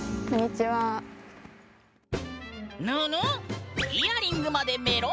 ぬぬ！